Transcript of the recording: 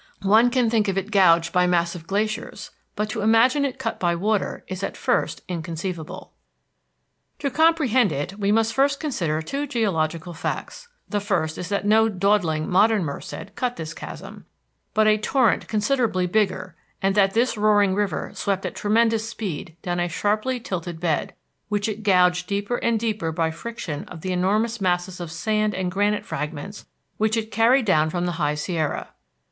One can think of it gouged by massive glaciers, but to imagine it cut by water is at first inconceivable. To comprehend it we must first consider two geological facts. The first is that no dawdling modern Merced cut this chasm, but a torrent considerably bigger; and that this roaring river swept at tremendous speed down a sharply tilted bed, which it gouged deeper and deeper by friction of the enormous masses of sand and granite fragments which it carried down from the High Sierra.